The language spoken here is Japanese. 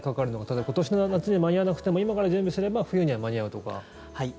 例えば今年の夏には間に合わなくても今から準備すれば冬には間に合うとか。